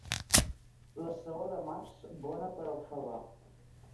La saó de març, bona per al favar.